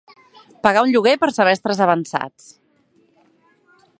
Pagar un lloguer per semestres avançats.